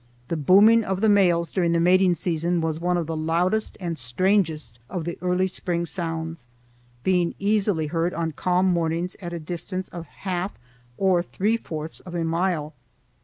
The booming of the males during the mating season was one of the loudest and strangest of the early spring sounds, being easily heard on calm mornings at a distance of a half or three fourths of a mile.